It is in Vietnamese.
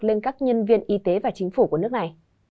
lên các nhân viên y tế và chính phủ của nước này